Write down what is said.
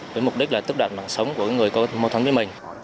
với mục đích là tức đoạn mạng sống của người có mâu thuẫn với mình